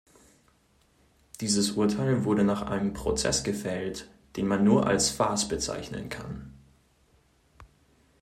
Dieses Urteil wurde nach einem Prozess gefällt, den man nur als Farce bezeichnen kann.